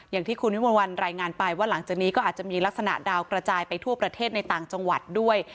อย่างที่คุณวิมวลวันรายงานไปว่าหลังจากนี้ก็อาจจะมีลักษณะดาวกระจายไปทั่วประเทศในต่างจังหวัดด้วย